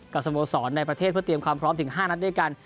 สโมสรในประเทศเพื่อเตรียมความพร้อมถึง๕นัดด้วยกัน